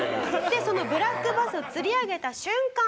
でそのブラックバスを釣り上げた瞬間